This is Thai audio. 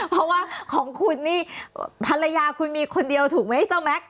เพราะว่าของคุณนี่ภรรยาคุณมีคนเดียวถูกไหมเจ้าแม็กซ